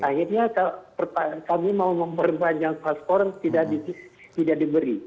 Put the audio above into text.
akhirnya kami mau memperpanjang paspor tidak diberi